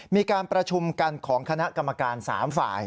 มีการประชุมกันของคณะกรรมการ๓ฝ่าย